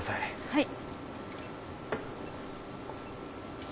はい。